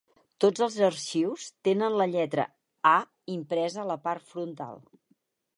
Tots els arxius tenen la lletra "A" impresa a la part frontal.